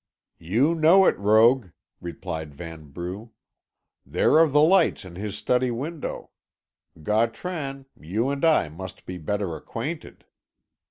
"You know it, rogue," replied Vanbrugh. "There are the lights in his study window. Gautran, you and I must be better acquainted."